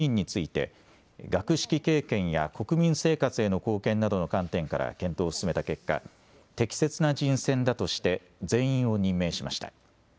政府は、会議側から提出された新たな候補１０５人について、学識経験や国民生活への貢献などの観点から検討を進めた結果、適切な人選だとして、全員を任命しました。